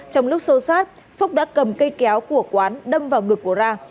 trong lúc sâu sát phúc đã cầm cây kéo của quán đâm vào ngực của ra